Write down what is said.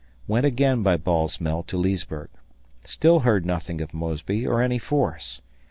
went again by Ball's Mill to Leesburg. Still heard nothing of Mosby or any force.